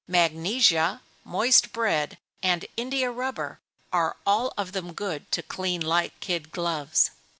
_ Magnesia, moist bread, and India rubber, are all of them good to clean light kid gloves.